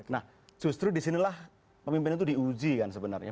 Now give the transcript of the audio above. nah justru disinilah pemimpin itu diuji kan sebenarnya